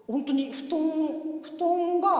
布団が。